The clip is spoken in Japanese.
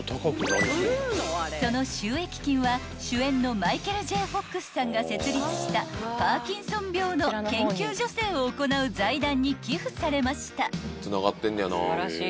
［その収益金は主演のマイケル・Ｊ・フォックスさんが設立したパーキンソン病の研究助成を行う財団に寄付されました］